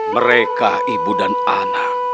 mereka ibu dan anak